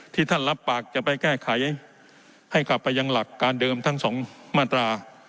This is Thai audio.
ท่านรับปากจะไปแก้ไขให้กลับไปยังหลักการเดิมทั้งสองมาตรา